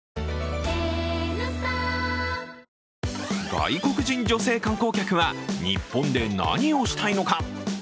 外国人女性観光客は日本で何をしたいのか。